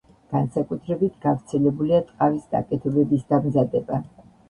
განსაკუთრებით გავრცელებულია ტყავის ნაკეთობების დამზადება.